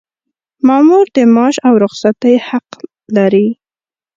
مامور د معاش او رخصتۍ حق لري.